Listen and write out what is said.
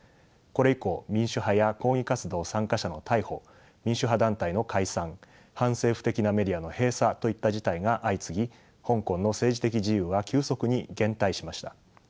これ以降民主派や抗議活動参加者の逮捕民主派団体の解散反政府的なメディアの閉鎖といった事態が相次ぎ香港の政治的自由は急速に減退しました。